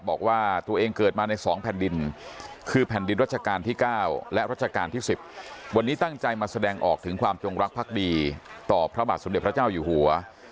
บอกว่าตัวเองเกิดมาใน๒แผ่นดินคือแผ่นดินรัชกาลที่๙และรัชกาลที่๑๐วันนี้ตั้งใจมาแสดงออกถึงความจงรักภักดีต่อพระบาทสมเด็จพระเจ้าอยู่หัว